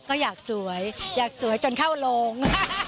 ก็อยากสวยอยากสวยจนเข้าโรง